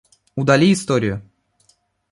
Удали историю